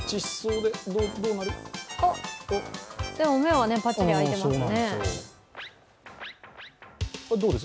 でも目はパッチリ開いてますね。